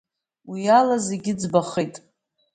Уи ала зегьы ӡбахеит.